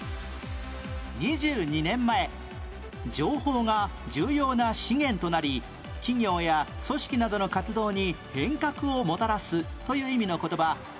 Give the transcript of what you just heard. ２２年前情報が重要な資源となり企業や組織などの活動に変革をもたらすという意味の言葉